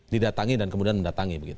didatangi dan kemudian mendatangi